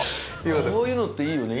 こういうのっていいよね